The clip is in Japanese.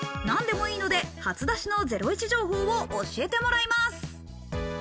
何でもいいので初出しのゼロイチ情報を教えてもらいます。